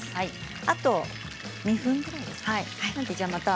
あと２分くらいですかね。